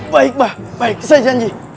baik pak baik saya janji